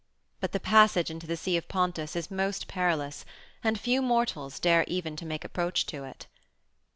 But the passage into the Sea of Pontus is most perilous, and few mortals dare even to make approach to it."